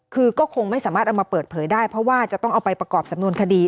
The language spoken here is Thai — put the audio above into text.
คือก็คงไม่สามารถเอามาเปิดเผยได้เพราะว่าจะต้องเอาไปประกอบสำนวนคดี